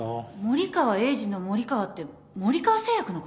森川栄治の森川って森川製薬のこと？